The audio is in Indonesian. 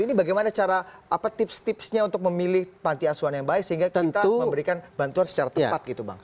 ini bagaimana cara apa tips tipsnya untuk memilih panti asuhan yang baik sehingga kita memberikan bantuan secara tepat gitu bang